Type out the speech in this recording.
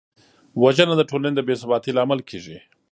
وژنه د ټولنې د بېثباتۍ لامل کېږي